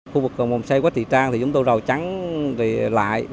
xoay quách thị trang thì chúng tôi rào trắng lại